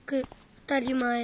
あたりまえ。